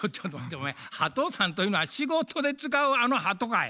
お前ハトさんというのは仕事で使うあのハトかい？